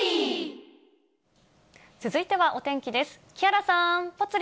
続いてはお天気です。